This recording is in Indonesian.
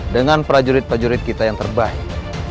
dengan prajurit prajurit kita yang terbaik